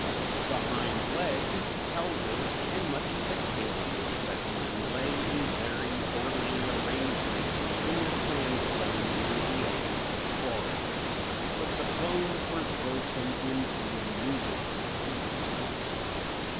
The hind leg, pelvis and much of the tail of this specimen lay in very orderly arrangement in the sandstone near the edge of the quarry, but the bones were broken into innumerable pieces.